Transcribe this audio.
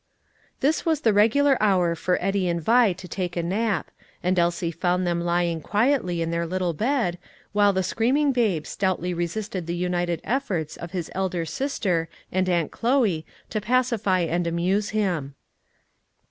This was the regular hour for Eddie and Vi to take a nap, and Elsie found them lying quietly in their little bed, while the screaming babe stoutly resisted the united efforts of his elder sister and Aunt Chloe to pacify and amuse him.